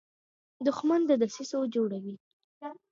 دښمن د دسیسو جوړه وي